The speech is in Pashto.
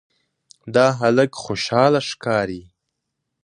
دا هلک خوشاله ښکاري.